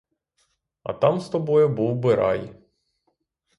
А там з тобою був би рай!